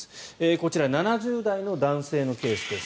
こちら７０代男性のケースです。